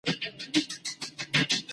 عبارت څلور ځانګړتیاوي لري.